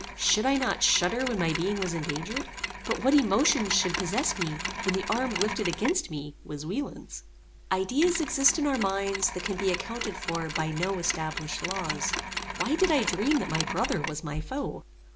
Should I not shudder when my being was endangered? But what emotion should possess me when the arm lifted aginst me was Wieland's? Ideas exist in our minds that can be accounted for by no established laws. Why did I dream that my brother was my foe?